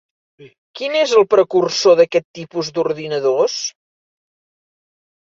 Quin és el precursor d'aquest tipus d'ordinadors?